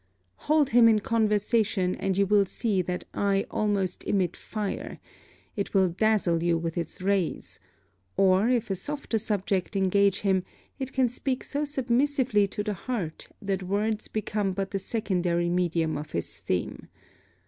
Hold him in conversation and you will see that eye almost emit fire; it will dazzle you with its rays; or, if a softer subject engage him, it can speak so submissively to the heart that words become but the secondary medium of his theme.